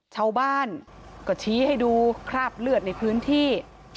ชาวบ้านก็ชี้ให้ดูคราบเลือดในพื้นที่